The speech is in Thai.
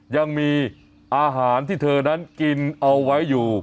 ยังมีอาหารที่เธอนั้นกินเอาไว้อยู่